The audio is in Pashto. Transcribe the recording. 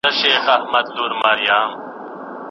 ریښتینې څېړنه تر جعلي اسنادو ډېره غوره ده.